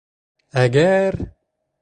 Әгәр...